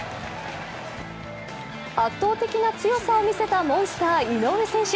圧倒的な強さを見せたモンスター、井上選手。